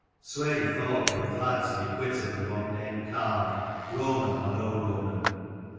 Swein thought they were glad to be quit of the long named carle, Roman or no Roman.